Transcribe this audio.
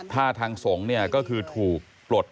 ถ้าทางสงฆ์ก็คือถูปลด